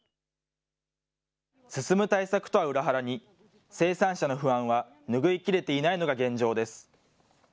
進む対策とは裏腹に、生産者の不安は、拭い切れていないのが現状です。